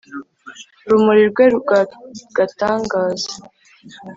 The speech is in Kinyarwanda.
rumuri rwe rw'agatangaza